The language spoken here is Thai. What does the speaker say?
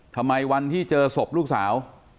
ทำไมวันที่เจอศพลูกสาว